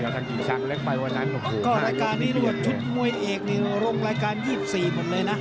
ก็รายการที่รวนชุดมวยเอกนี่รองรายการ๒๔หมดเลยนะ